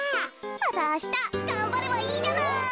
またあしたがんばればいいじゃない。